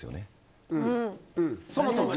そもそもね。